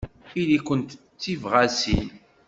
Ili-kent d tibɣasin.